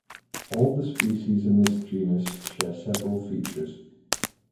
All the species in this genus share several features.